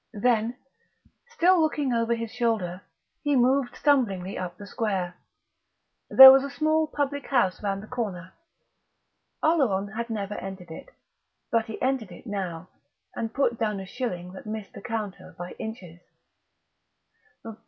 Then, still looking over his shoulder, he moved stumblingly up the square. There was a small public house round the corner; Oleron had never entered it; but he entered it now, and put down a shilling that missed the counter by inches.